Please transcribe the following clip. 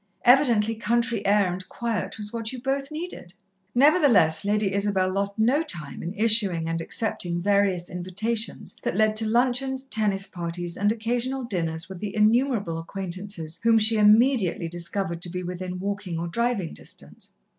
Evidently country air and quiet was what you both needed." Nevertheless, Lady Isabel lost no time in issuing and accepting various invitations that led to luncheons, tennis parties and occasional dinners with the innumerable acquaintances whom she immediately discovered to be within walking or driving distance.